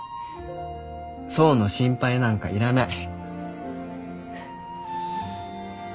想の心配なんかいらない。